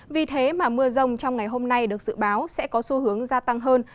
vì thế mà mưa rông trong ngày hôm nay được dự báo sẽ có xu hướng gia tăng hơn